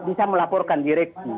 bisa melaporkan direksi